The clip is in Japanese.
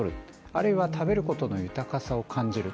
あるいは食べることの豊かさを感じる